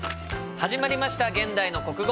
始まりました「現代の国語」。